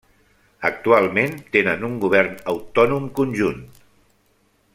Actualment tenen un govern autònom conjunt.